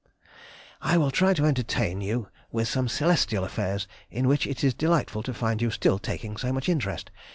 I will try to entertain you with some celestial affairs in which it is delightful to find you still taking so much interest.